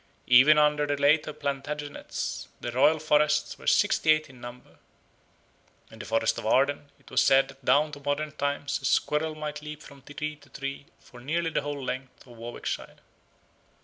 Even under the later Plantagenets the royal forests were sixty eight in number. In the forest of Arden it was said that down to modern times a squirrel might leap from tree to tree for nearly the whole length of Warwickshire.